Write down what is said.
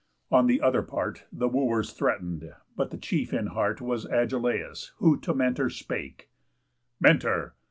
On the other part, The Wooers threaten'd; but the chief in heart Was Agelaus, who to Mentor spake: "Mentor!